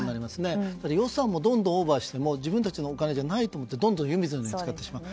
予算をオーバーしても自分たちのお金じゃないと思ってどんどん湯水のように使ってしまう。